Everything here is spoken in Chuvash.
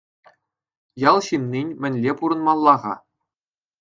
Ял ҫыннин мӗнле пурӑнмалла-ха?